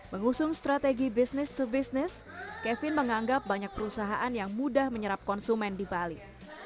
mengusung strategi business to business kevin menganggap banyak perusahaan yang mudah menyerap konsumen di bali